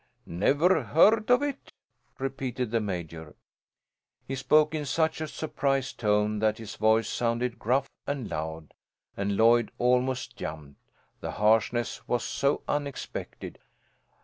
"Never heard of it!" repeated the Major. He spoke in such a surprised tone that his voice sounded gruff and loud, and Lloyd almost jumped. The harshness was so unexpected.